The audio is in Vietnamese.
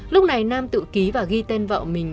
lúc này nam tự ký và ghi tên vợ mình